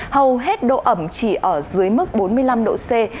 hầu hết độ ẩm chỉ ở dưới mức bốn mươi năm độ c